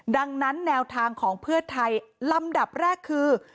ดังนั้นแนวทางของเพื่อไทยลำดับแรกคือ